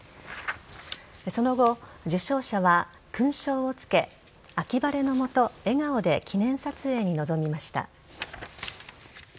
その後、受章者は勲章を付け、秋晴れの下笑顔で記念撮影に臨みました。